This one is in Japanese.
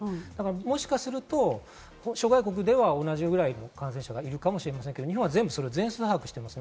もしかすると諸外国では同じぐらい感染者がいるかもしれませんけれど日本は全数把握しています。